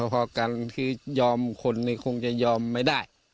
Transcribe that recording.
พอกันคือยอมคนนี้คงจะยอมไม่ได้